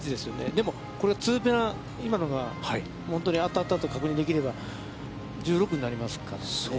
でも、これ、これ２ペナ、今のが本当に当たったと確認できれば、１６になりますからね。